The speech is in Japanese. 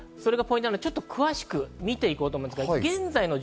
詳しく見ていこうと思います。